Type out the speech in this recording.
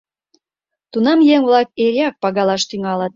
— Тунам еҥ-влак эреак пагалаш тӱҥалыт.